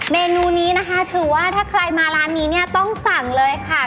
เมนูนี้นะคะถือว่าถ้าใครมาร้านนี้เนี่ยต้องสั่งเลยค่ะ